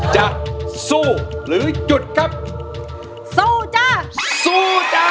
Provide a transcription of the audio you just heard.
จะสู้หรือหยุดครับสู้จ้ะสู้จ้ะ